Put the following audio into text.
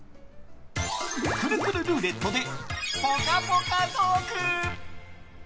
くるくるルーレットでぽかぽかトーク！